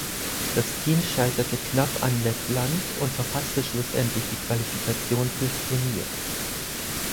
Das Team scheiterte knapp an Lettland und verpasste schlussendlich die Qualifikation fürs Turnier.